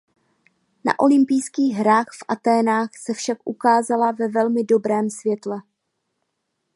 Na olympijských hrách v Athénách se však ukázala ve velmi dobrém světle.